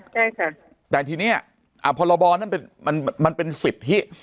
ใช่ค่ะแต่ทีนี้พรบนั้นเป็นมันมันเป็นสิทธิ